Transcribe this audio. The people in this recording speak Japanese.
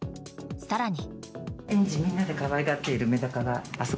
更に。